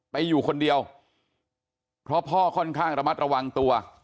อยู่คนเดียวเพราะพ่อค่อนข้างระมัดระวังตัว